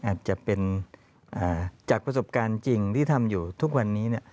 อาจจะเป็นจากประสบการณ์จริงที่ทำอยู่ทุกวันนี้